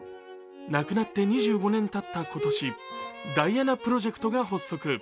亡くなって２５年たった今年ダイアナプロジェクトが発足。